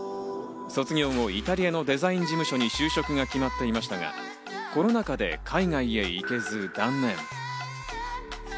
卒業後、イタリアのデザイン事務所に就職が決まっていましたが、コロナ禍で海外へ行けず断念。